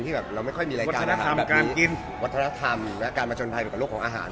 ละครับแล้วถ้าไม่มีรายการถามแบบนี้วัฒนธรรมและการประชนภัยในโลกของอาหาร